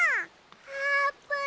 あーぷん！